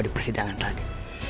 di persidangan tadi